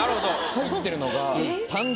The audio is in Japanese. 入ってるのが。